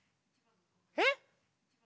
えっ？